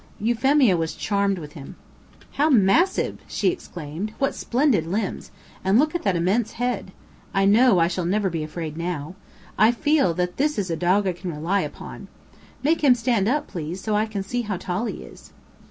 Euphemia was charmed with him. "How massive!" she exclaimed. "What splendid limbs! And look at that immense head! I know I shall never be afraid now. I feel that that is a dog I can rely upon. Make him stand up, please, so I can see how tall he is."